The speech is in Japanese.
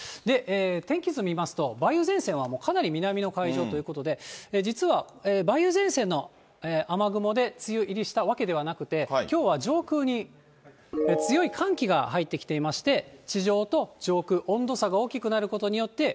天気図見ますと、梅雨前線はもうかなり南の海上ということで、実は、梅雨前線の雨雲で梅雨入りしたわけではなくて、きょうは上空に強い寒気が入ってきていまして、地上と上空、温度差が大きくなることによって、